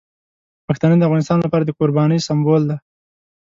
پښتانه د افغانستان لپاره د قربانۍ سمبول دي.